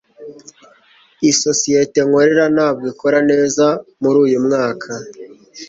isosiyete nkorera ntabwo ikora neza muri uyu mwaka